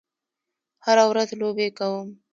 هره ورځ لوبې کوم